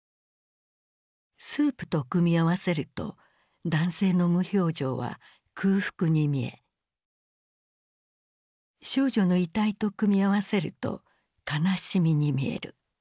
スープと組み合わせると男性の無表情は「空腹」に見え少女の遺体と組み合わせると「悲しみ」に見える。